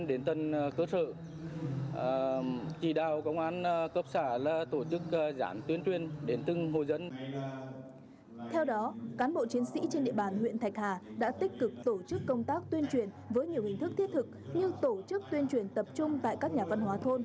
những hình thức như tổ chức tuyên truyền tập trung tại các nhà văn hóa thôn